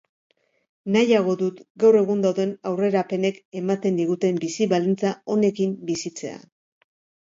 Nahiago dut gaur egun dauden aurrerapenek ematen diguten bizi baldintza onekin bizitzea.